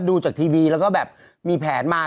ดูจากทีวีแล้วก็แบบมีแผนมา